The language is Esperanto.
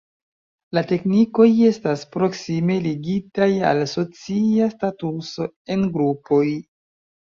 La teknikoj estas proksime ligitaj al socia statuso en grupoj.